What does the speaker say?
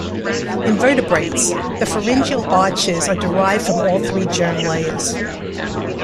In vertebrates, the pharyngeal arches are derived from all three germ layers.